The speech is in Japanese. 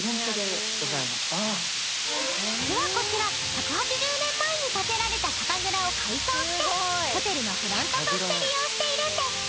［実はこちら１８０年前に建てられた酒蔵を改装してホテルのフロントとして利用しているんです］